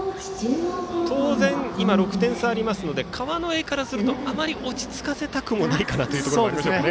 今６点差ありますので川之江からするとあまり落ち着かせたくもないかなという感じでしょうか。